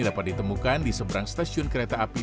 dapat ditemukan di seberang stasiun kereta api